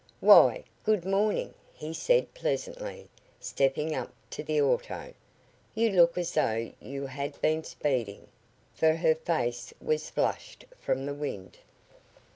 "Why, good morning," he said pleasantly, stepping up to the auto. "You look as though you had been speeding," for her face was flushed from the wind.